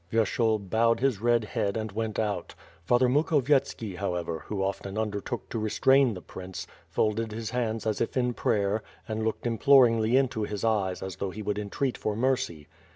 Vyershul bowed his red head and went out. Father Muk hovyetski, however, who often undertook to restrain the prince, folded his hands as if in prayer, and looked implor ingly into his eyes as though he would entreat for mercy.